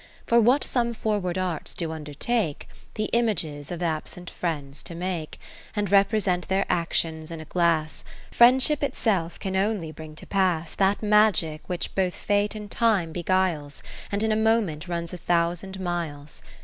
For what some forward arts do undertake, The images of absent friends to make, 3° And represent their actions in a glass, Friendship itself can only bring to pass, That magic which both Fate and Time beguiles, And in a moment runs a thousand miles.